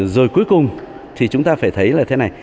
rồi cuối cùng thì chúng ta phải thấy là thế này